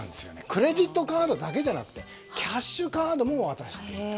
クレジットカードだけじゃなくキャッシュカードも渡してしまった。